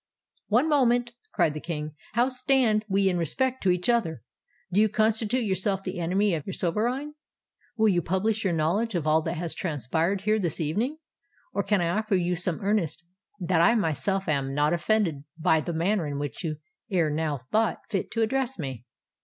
"One moment," cried the King. "How stand we in respect to each other? Do you constitute yourself the enemy of your sovereign?—will you publish your knowledge of all that has transpired here this evening?—or can I offer you some earnest that I myself am not offended by the manner in which you ere now thought fit to address me?"